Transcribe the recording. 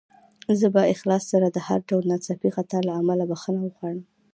زه په اخلاص سره د هر ډول ناڅاپي خطا له امله بخښنه غواړم.